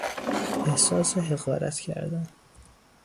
احساس حقارت کردن